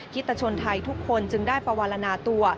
ิตชนไทยทุกคนจึงได้ปวรรณาตัว